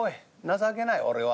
情けない俺は。